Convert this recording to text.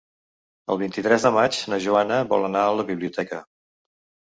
El vint-i-tres de maig na Joana vol anar a la biblioteca.